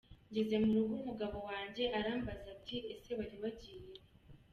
Ngeze mu rugo umugabo wanjye arambaza ati : “Ese wari wagiye he ?